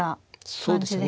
そうですね。